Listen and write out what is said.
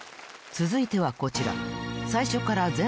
続いてはこちら！